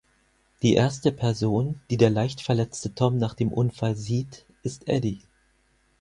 Die erste Person, die der leicht verletzte Tom nach dem Unfall sieht, ist Eddie.